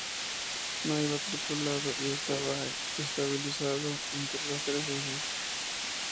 No iba tripulado, y estaba estabilizado en los tres ejes.